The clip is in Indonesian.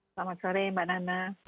selamat sore mbak nana